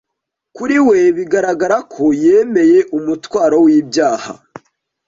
Kuri we bigaragara ko yemeye umutwaro w'ibyaha